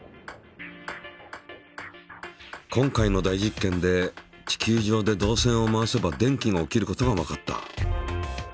今回の大実験で地球上で導線を回せば電気が起きることがわかった。